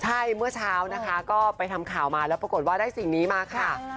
ใช่เมื่อเช้านะคะก็ไปทำข่าวมาแล้วปรากฏว่าได้สิ่งนี้มาค่ะ